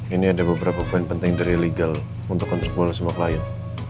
ini ada beberapa poin penting dari legal untuk kontrak bola semua klien